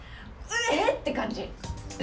「えっ！？」って感じ？